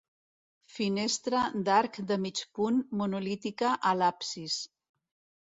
Finestra d'arc de mig punt monolítica a l'absis.